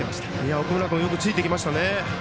奥村君よくついていきましたね。